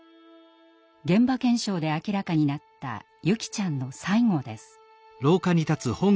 現場検証で明らかになった優希ちゃんの最期です。